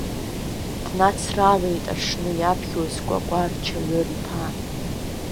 Днацралеит аҽны иаԥхьоз Кәакәар чаҩыр-иԥа.